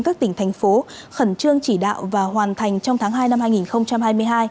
các tỉnh thành phố khẩn trương chỉ đạo và hoàn thành trong tháng hai năm hai nghìn hai mươi hai